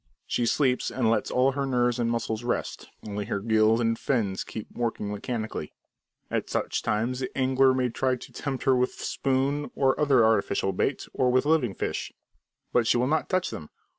She sleeps and lets all her nerves and muscles rest; only her gills and fins keep working mechanically. At such times the angler may try to tempt her with spoon or other artificial bait, or with live fish, but she will not touch them!